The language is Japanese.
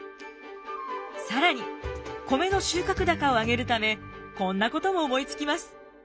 更に米の収穫高を上げるためこんなことも思いつきます。